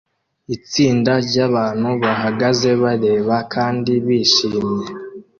Itsinda ryabantu bahagaze bareba kandi bishimye